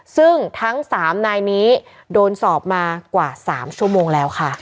ซึ่งทั้ง๓นายนี้โดนสอบมากว่า๓ชั่วโมงแล้วค่ะ